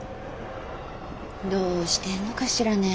どうしてんのかしらねえ。